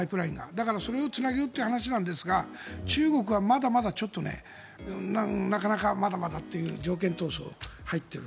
だからそれをつなげようという話なんですが中国はなかなか、まだまだという条件闘争に入っている。